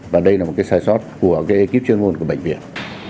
và đây là một cái sai sót của cái kýp chuyên ngôn của bệnh viện